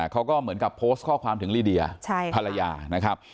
เขาก็เหมือนกับโพสต์ข้อความถึงลีเดียภรรยานะครับ